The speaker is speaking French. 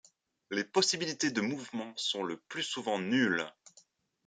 Les possibilités de mouvement sont le plus souvent nulles.